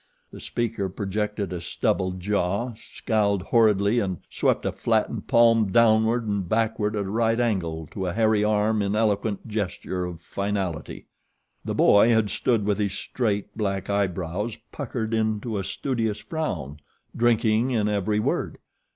The speaker projected a stubbled jaw, scowled horridly and swept a flattened palm downward and backward at a right angle to a hairy arm in eloquent gesture of finality. The boy had stood with his straight, black eyebrows puckered into a studious frown, drinking in every word.